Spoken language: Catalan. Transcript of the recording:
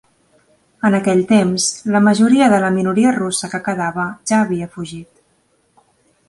En aquell temps, la majoria de la minoria russa que quedava ja havia fugit.